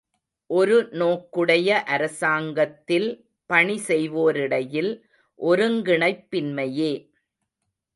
ஒரு நோக்குடைய அரசாங்கத்தில் பணி செய்வோரிடையில் ஒருங்கிணைப்பின்மையே.